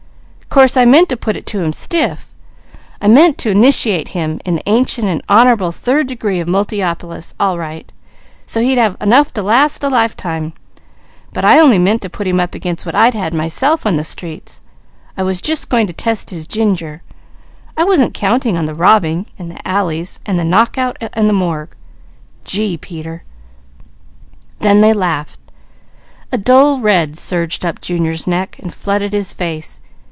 Course I meant to put it to him stiff; I meant to 'niciate him in the ancient and honourable third degree of Multiopolis all right, so he'd have enough to last a lifetime; but I only meant to put him up against what I'd. had myself on the streets; I was just going to test his ginger; I wasn't counting on the robbing, and the alleys, and the knockout, and the morgue. Gee, Peter!" Then they laughed. A dull red surged up Junior's neck, and flooded his face.